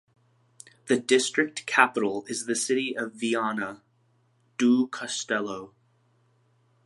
The district capital is the city of Viana do Castelo.